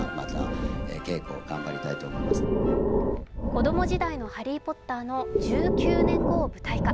子供時代のハリー・ポッターの１９年後を舞台化。